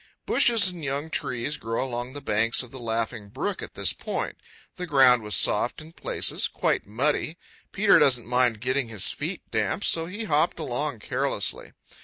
Bushes and young trees grow along the banks of the Laughing Brook at this point. The ground was soft in places, quite muddy. Peter doesn't mind getting his feet damp, so he hopped along carelessly.